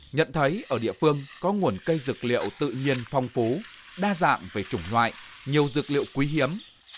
nhận thấy ở địa phương có nguồn cây dược liệu tự nhiên phong phú đa dạng về chủng loại nhiều dược liệu quý hiếm